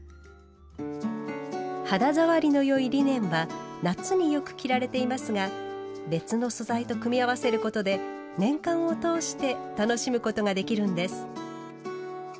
肌触りの良いリネンは夏によく着られていますが別の素材と組み合わせることで年間を通して楽しむことができるんです。